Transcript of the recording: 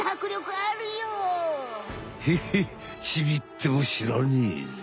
ヘッヘちびってもしらねえぜ。